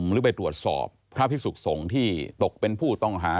หรือไปตรวจสอบพระพิสุขสงฆ์ที่ตกเป็นผู้ต้องหา